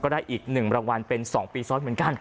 ได้อีก๑รางวัลเป็น๒ปีซ้อนเหมือนกัน